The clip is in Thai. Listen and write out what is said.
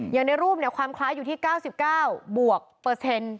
ในรูปความคล้ายอยู่ที่๙๙บวกเปอร์เซ็นต์